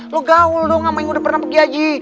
lu gaul dong sama yang udah pernah pergi haji